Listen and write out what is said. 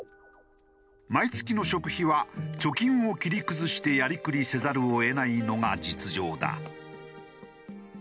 毎月の食費は貯金を切り崩してやりくりせざるを得ないのが実情だ。